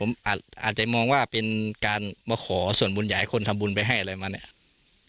ผมอาจจะมองว่าเป็นการมาขอส่วนบุญอยากให้คนทำบุญไปให้อะไรมาเนี่ย